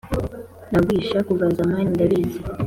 nabaguhishe kuva zamani ndabizi